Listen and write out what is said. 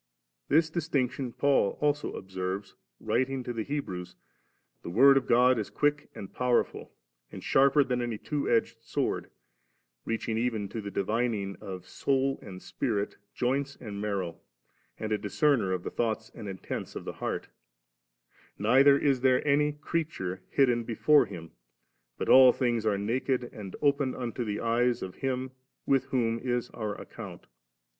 This distinction Paul also observes, writing to the Hebrews, * The Word of God is quick and powerful, and sharper than any two edged sword, reaching even to the dividing of soul and spirit, joints and marrow, and a dis cemer of the thoughts and intents of the heart, neither is there any creatiure hidden before Him, but all things are naked and open unto the eyes of Him with whom is our account'.'